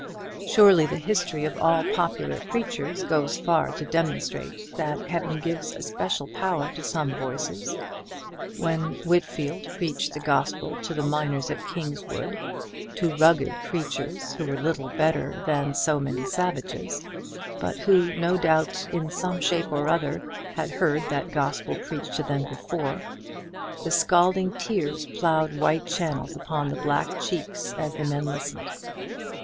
Surely the history of all popular preachers goes far to demonstrate that Heaven gives a special power to some voices. When Whitfield preached the Gospel to the miners at Kingswood, to rugged creatures who were little better than so many savages, but who, no doubt, in some shape or other, had heard that Gospel preached to them before, the scalding tears ploughed white channels upon the black cheeks as the men listened.